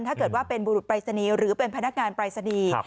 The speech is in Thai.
ถ้าเกิดว่าเป็นบุรุษปรายศนีย์หรือเป็นพนักงานปรายศนีย์